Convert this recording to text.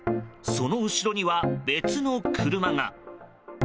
その後ろには別の車が。